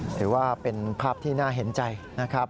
ถือว่าเป็นภาพที่น่าเห็นใจนะครับ